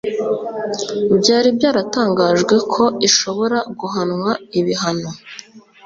byari byatangajwe ko ishobora guhanwa ibihano